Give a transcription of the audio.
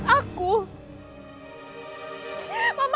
aku ingin ketemu dengan dia